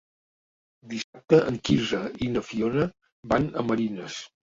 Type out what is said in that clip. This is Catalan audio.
Dissabte en Quirze i na Fiona van a Marines.